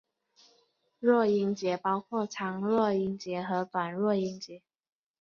弱音节包括长弱音节和短弱音节。